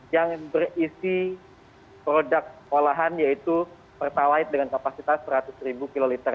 yang berisi produk olahan yaitu pertalite dengan kapasitas seratus ribu kiloliter